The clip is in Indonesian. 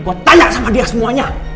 gue tanya sama dia semuanya